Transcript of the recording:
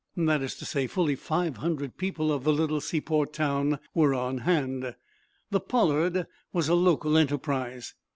That is to say, fully five hundred people of the little seaport town were on hand. The "Pollard" was a local enterprise.